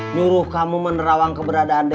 nyuruh kamu menerawang keberadaan desa